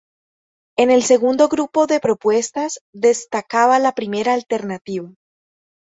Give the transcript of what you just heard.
En el segundo grupo de propuestas destacaba la primera alternativa.